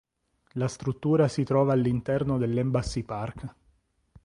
La struttura si trova all'interno dell'Embassy Park.